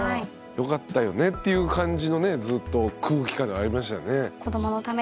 よかったよねっていう感じのねずっと空気感がありましたよね。